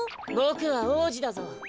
ボクは王子だぞ。